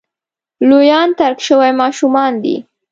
لویان ترک شوي ماشومان دي.